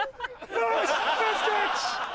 よしナイスキャッチ。